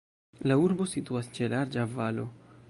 La urbo situas ĉe larĝa valo.